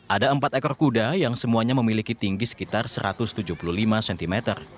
ada empat ekor kuda yang semuanya memiliki tinggi sekitar satu ratus tujuh puluh lima cm